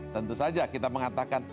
tentu saja kita mengatakan